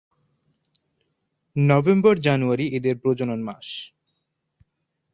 নভেম্বর-জানুয়ারি এদের প্রজনন মাস।